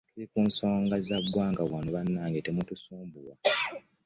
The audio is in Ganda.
Tuli ku nsonga za ggwanga wano bannange temutusumbuwa.